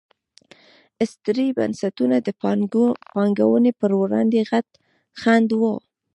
استثري بنسټونه د پانګونې پر وړاندې غټ خنډ وو.